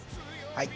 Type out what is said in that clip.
はい。